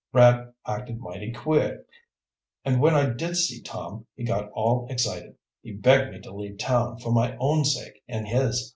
Brad acted mighty queer, and when I did see Tom, he got all excited. He begged me to leave town, for my own sake and his.